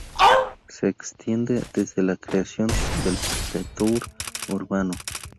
C se extiende desde la creación del pretor urbano.